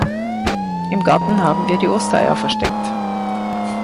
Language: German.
Im Garten haben wir die Ostereier versteckt.